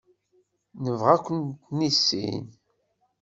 Nebɣa ad kent-nissin.